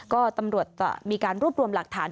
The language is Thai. ก็ตำรวจจะมีการรวบรวมหลักฐาน